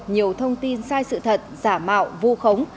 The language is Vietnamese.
nhiều thông tin sai sự thật giả mạo vu khống